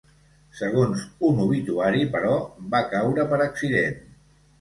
Segons un obituari, però, va caure per accident.